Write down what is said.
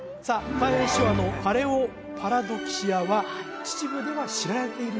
たい平師匠パレオパラドキシアは秩父では知られている？